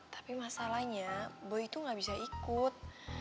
tapi masalahnya boy itu nggak bisa ikut